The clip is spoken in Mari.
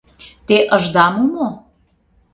— Те ыжда му мо?